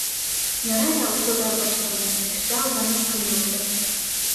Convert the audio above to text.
Ярай ҙа уҡыуҙар башланды, эштә алданып көнө үтә.